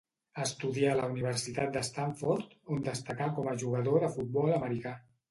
Estudià a la Universitat de Stanford, on destacà com a jugador de futbol americà.